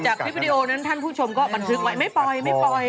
คลิปวิดีโอนั้นท่านผู้ชมก็บันทึกไว้ไม่ปล่อยไม่ปล่อย